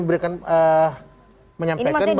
beliau mengatakan ada mastermind